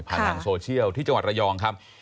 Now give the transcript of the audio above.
ทางโซเชียลที่จังหวัดระยองครับ